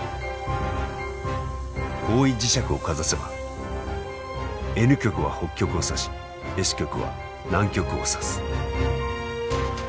方位磁石をかざせばＮ極は北極を指しＳ極は南極を指す。